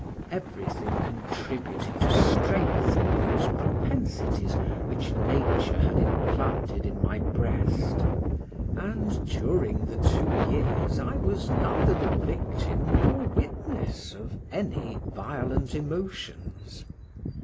Everything contributed to strengthen those propensities which nature had implanted in my breast, and during the two years I was neither the victim nor witness of any violent emotions.